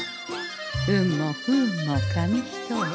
運も不運も紙一重。